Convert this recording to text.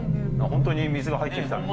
本当に水が入ってきたみたい。